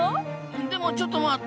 でもちょっと待った！